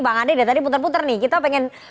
bang andi sudah tadi putar putar nih kita pengen